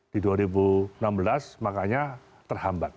di dua ribu enam belas makanya terhambat